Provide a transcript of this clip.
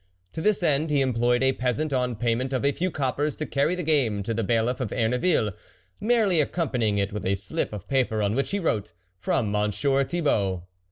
To this end he employed a peasant on payment of a few coppers, to carry the game to the Bailiff of Erneville, merely accompanying it with a slip of paper, on which he wrote :" From Mon sieur Thibault."